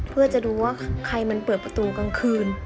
เพื่อจะดูว่าใครมันเปิดประตูกลางคืน